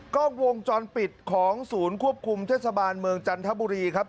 กล้องวงจรปิดของศูนย์ควบคุมเทศบาลเมืองจันทบุรีครับ